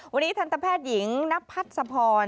วันนี้ทันตแพทย์หญิงนพัดสะพร